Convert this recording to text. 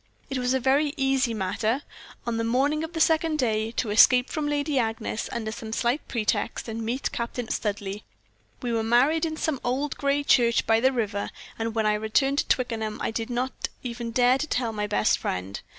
It was a very easy matter, on the morning of the second day, to escape from Lady Agnes, under some slight pretext, and meet Captain Studleigh. We were married in some old gray church by the river; and when I returned to Twickenham I did not even dare to tell my best friend.